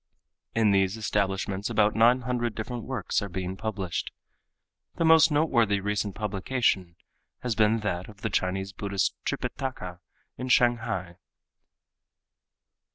In these establishments about nine hundred different works are being published. The most noteworthy recent publication has been that of the Chinese Buddhist Tripitaka in Shanghai.